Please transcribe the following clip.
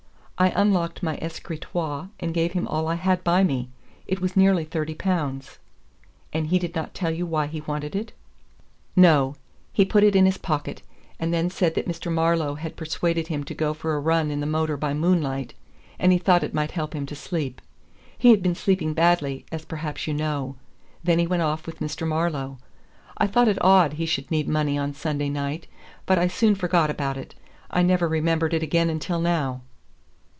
I unlocked my escritoire, and gave him all I had by me. It was nearly thirty pounds." "And he did not tell you why he wanted it?" "No. He put it in his pocket, and then said that Mr. Marlowe had persuaded him to go for a run in the motor by moonlight, and he thought it might help him to sleep. He had been sleeping badly, as perhaps you know. Then he went off with Mr. Marlowe. I thought it odd he should need money on Sunday night, but I soon forgot about it. I never remembered it again until now."